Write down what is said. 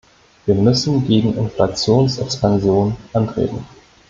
Wir müssen gegen Inflationsexpansion antreten.